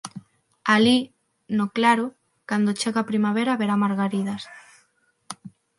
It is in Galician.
Alí, no claro, cando chega a primavera haberá margaridas.